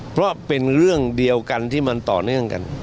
เพราะเป็นเรื่องเดียวกันที่มันต่อเนื่องกัน